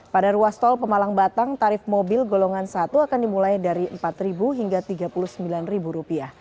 pada ruas tol pemalang batang tarif mobil golongan satu akan dimulai dari rp empat hingga rp tiga puluh sembilan